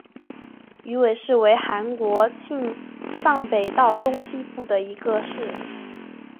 龟尾市为韩国庆尚北道中西部的一个市。